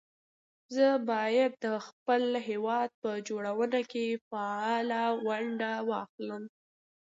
زه بايد د خپل هېواد په جوړونه کې فعاله ونډه واخلم